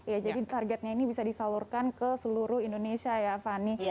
ya jadi targetnya ini bisa disalurkan ke seluruh indonesia ya fani